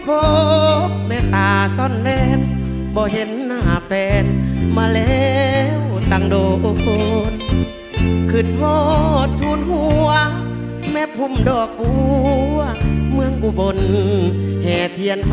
เสียงจับจับดังอีก